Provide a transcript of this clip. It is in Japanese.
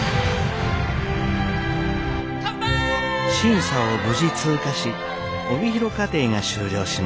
審査を無事通過し帯広課程が終了しました。